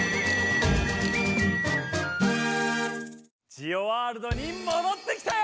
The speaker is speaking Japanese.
ジオワールドにもどってきたよ！